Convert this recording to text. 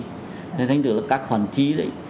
thế thành tựu là các khoản chi đấy